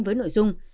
với nội dung